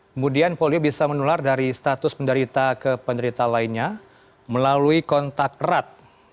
kemudian polio bisa menular dari status penderita ke penderita lainnya melalui kontak erat